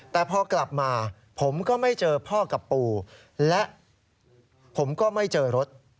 แต่พอกลับมาผมก็ไม่เจอพ่อกับปู่และผมก็ไม่เจอรถ